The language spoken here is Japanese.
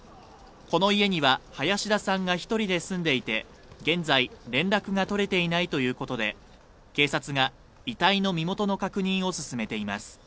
この家には林田さんが１人で住んでいて、現在、連絡が取れていないということで、警察が遺体の身元の確認を進めています。